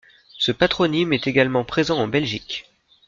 Ce patronyme est également présent en Belgique.